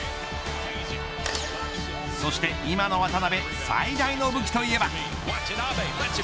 そして今の渡邊最大の武器といえば。